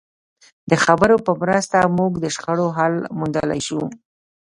د خبرو په مرسته موږ د شخړو حل موندلای شو.